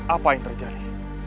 apa yang terjadi